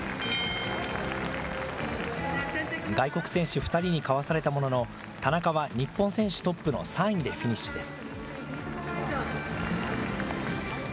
外国選手２人にかわされたものの、田中は日本選手トップの３位でフィニッシュです。